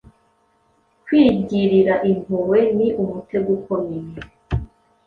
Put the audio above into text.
kwigirira impuhwe ni umutego ukomeye